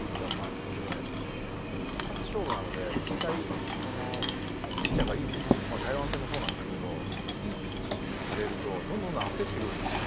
でも一発勝負なので実際ピッチャーがいいピッチング台湾戦もそうなんですけどいいピッチングされるとどんどんどんどん焦ってくるんですね。